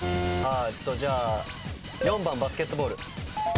じゃあ４番バスケットボール。